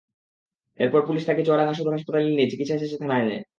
এরপর পুলিশ তাকে চুয়াডাঙ্গা সদর হাসপাতালে নিয়ে চিকিৎসা শেষে থানায় নেয়।